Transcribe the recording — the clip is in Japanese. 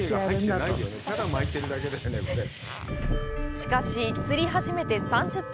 しかし、釣り始めて３０分。